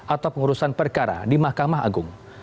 atau pengurusan perkara di mahkamah agung